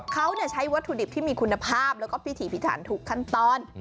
เขาใช้วัตถุดิบที่มีคุณภาพแล้วก็พิถีพิถันทุกขั้นตอน